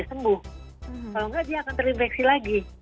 kalau enggak dia akan terinfeksi lagi